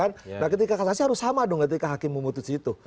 nah ketika kasasi harus sama dong ketika hakim memutus itu